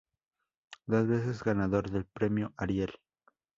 Dos veces ganador del Premio Ariel.